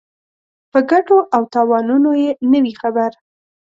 په ګټو او تاوانونو یې نه وي خبر.